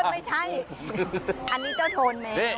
ไม่ใช่อันนี้เจ้าโทนแม้